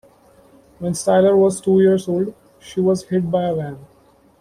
When Styler was two years old, she was hit by a van.